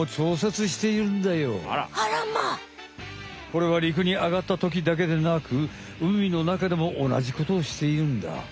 これは陸にあがったときだけでなく海の中でもおなじことをしているんだ。